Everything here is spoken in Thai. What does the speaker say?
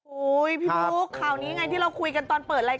โอ้ยพี่ลูกคราวนี้ไงที่เราคุยกันตอนเปิดรายการ